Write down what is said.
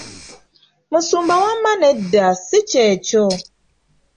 Musumba wama nedda, si kyekyo.